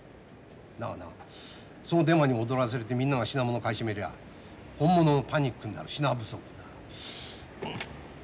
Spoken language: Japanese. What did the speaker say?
だがなそうデマに躍らされてみんなが品物買い占めりゃ本物のパニックになる品不足。